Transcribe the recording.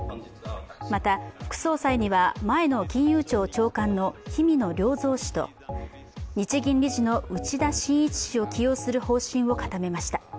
また副総裁には、前の金融庁長官の氷見野良三氏と日銀理事の内田眞一氏を起用する方針を固めました。